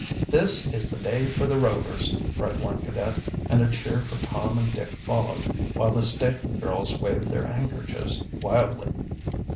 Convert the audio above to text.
"This is the day for the Rovers!" cried one cadet, and a cheer for Tom and Dick followed, while the Staton girls waved their handkerchiefs wildly.